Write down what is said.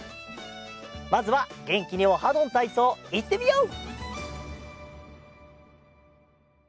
まずはげんきに「オハどんたいそう」いってみよう！